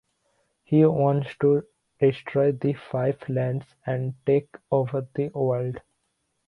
He wants to destroy the Five Lands and take over the world.